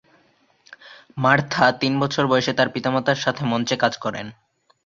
Martha তিন বছর বয়সে তার পিতামাতার সাথে মঞ্চে কাজ করেন।